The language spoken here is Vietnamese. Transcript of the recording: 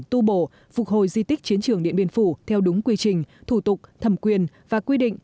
tu bổ phục hồi di tích chiến trường điện biên phủ theo đúng quy trình thủ tục thẩm quyền và quy định